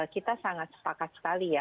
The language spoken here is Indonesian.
kita sangat sepakat sekali ya